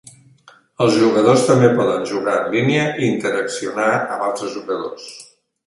Els jugadors també poden jugar en línia i interaccionar amb altres jugadors.